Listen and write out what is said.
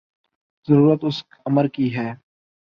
ضرورت اس امر کی ہے